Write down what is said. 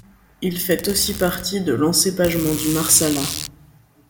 Il fait aussi partie de l'encépagement du Marsala.